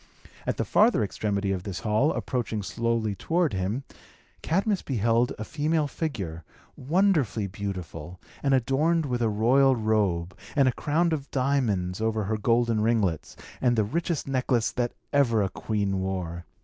At the farther extremity of this hall, approaching slowly toward him, Cadmus beheld a female figure, wonderfully beautiful, and adorned with a royal robe, and a crown of diamonds over her golden ringlets, and the richest necklace that ever a queen wore.